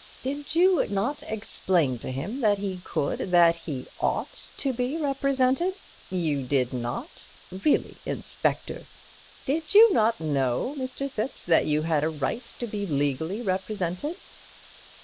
Did you not explain to him that he could—that he ought to be represented? You did not? Really, Inspector! Did you not know, Mr. Thipps, that you had a right to be legally represented?"